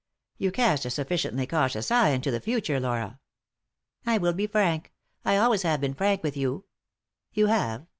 "You cast a sufficiently cautious eye into the future, Laura." "I will be frank, I always have been frank with you " "You have!"